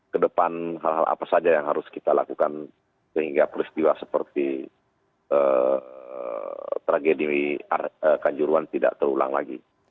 kedepan hal hal apa saja yang harus kita lakukan sehingga peristiwa seperti tragedi kanjuruan tidak terulang lagi